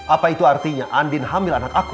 apa itu artinya andin hamil anak aku